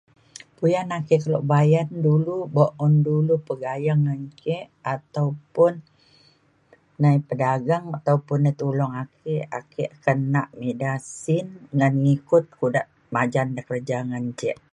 puyan ake kelo bayan dulu buk un dulu pegayeng ngan ake ataupun nai pedagang ataupun netulong ake ake akan nak me ida sin ngan ikut kuda majan da kerja ngan ce